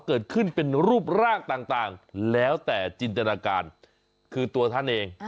เกิดขึ้นเป็นรูปร่างต่างแล้วแต่จินตนาการคือตัวท่านเอง